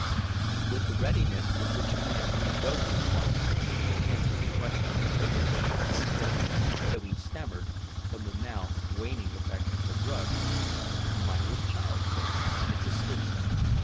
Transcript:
With the readiness with which a man who dozes while standing will answer the question that wakens him, he said though he stammered from the now waning effect of the drug: "Myra's child, sir; it's asleep."